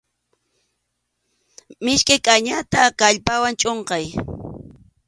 Miskʼi kañata kallpawan chʼunqay.